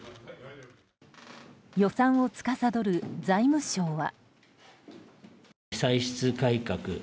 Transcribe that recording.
予算をつかさどる財務省は。